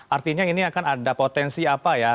artinya ini akan ada potensi apa ya